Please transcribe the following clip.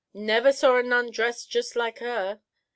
"Never saw a nun dressed jist like her.